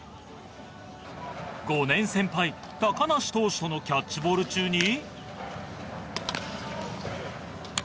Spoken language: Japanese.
５年先輩高梨投手とのキャッチボール中に。